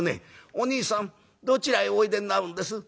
『おにいさんどちらへおいでになるんです？』